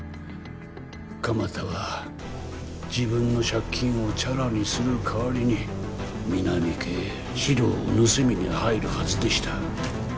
鎌田は自分の借金をチャラにするかわりに皆実家へ資料を盗みに入るはずでした